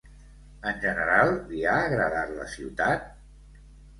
En general, li ha agradat la ciutat?